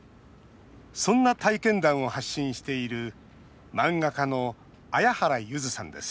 そんな体験談を発信している漫画家の彩原ゆずさんです。